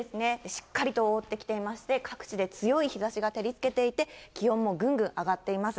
しっかりと覆ってきていまして、各地で強い日ざしが照りつけていて、気温もぐんぐん上がっています。